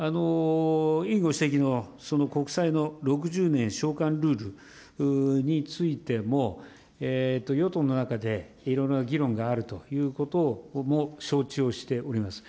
委員ご指摘の、国債の６０年償還ルールについても、与党の中でいろんな議論があるということも承知をしております。